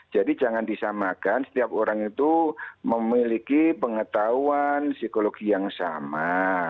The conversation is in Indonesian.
jadi jangan disamakan setiap orang itu memiliki pengetahuan psikologi yang sama